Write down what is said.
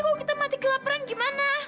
kalau kita mati kelaparan gimana